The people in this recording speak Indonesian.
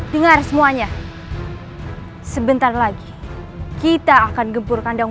dengar semuanya sebentar lagi kita akan gempur kandang